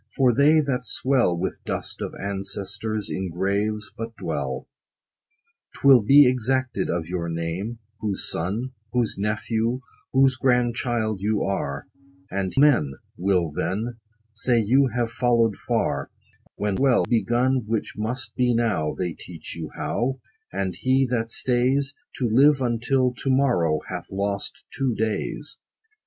For they, that swell 30 With dust of ancestors, in graves but dwell. 'Twill be exacted of your name, whose son, Whose nephew, whose grandchild you are ; And men Will then Say you have follow'd far, When well begun : Which must be now, They teach you how, And he that stays 40 To live until to morrow', hath lost two days.